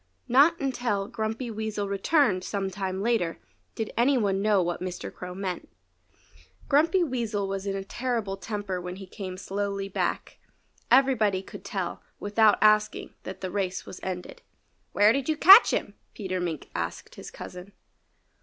Not until Grumpy Weasel returned some time later did any one know what Mr. Crow meant. Grumpy Weasel was in a terrible temper when he came slowly back. Everybody could tell, without asking, that the race was ended. "Where did you catch him?" Peter Mink asked his cousin.